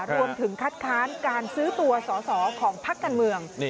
รวมถึงคัดค้านการซื้อตัวสอสอของพักการเมือง